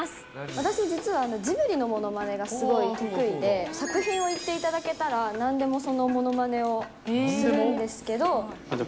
私、実はジブリのものまねがすごい得意で、作品を言っていただけたら、なんでもそのものまねをするんですけど。